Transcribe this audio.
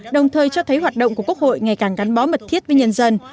đồng thời cho thấy hoạt động của quốc hội ngày càng gắn bó mật thiết với nhân dân